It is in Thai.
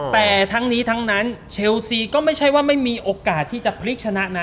แต่ทั้งนี้ทั้งนั้นเชลซีก็ไม่ใช่ว่าไม่มีโอกาสที่จะพลิกชนะนะ